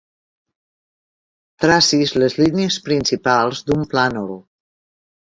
Tracis les línies principals d'un plànol.